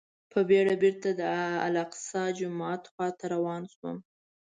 په بېړه بېرته د الاقصی جومات خواته روان شوم.